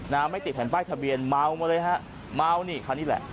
ไม่ติดแผ่นป้ายทะเบียนเมามาเลยฮะเมานี่คันนี้แหละ